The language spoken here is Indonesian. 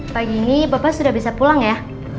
pagi ini bapak sudah bisa pulang ya